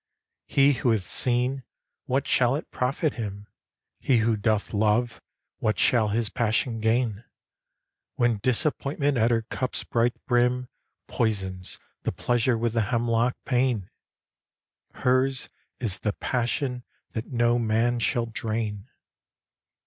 He who hath seen, what shall it profit him? He who doth love, what shall his passion gain? When disappointment at her cup's bright brim Poisons the pleasure with the hemlock pain? Hers is the passion that no man shall drain.